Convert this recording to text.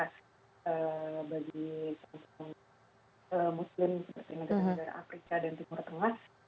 karena bagi muslim seperti negara negara afrika dan timur tengah